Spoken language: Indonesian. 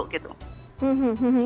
jadi itu adalah hal yang harus diperhatikan